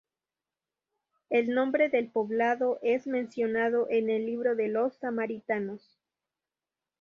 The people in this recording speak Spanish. El nombre del poblado es mencionado en el libro de los samaritanos.